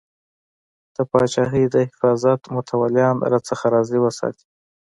د پاچاهۍ د حفاظت متولیان راڅخه راضي وساتې.